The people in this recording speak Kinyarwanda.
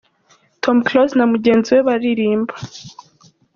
Tom Close na mugenzi we baririmba.